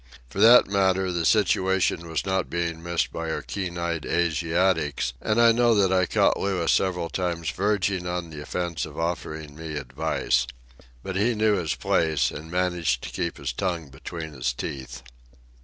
For that matter, the situation was not being missed by our keen eyed Asiatics, and I know that I caught Louis several times verging on the offence of offering me advice. But he knew his place and managed to keep his tongue between his teeth.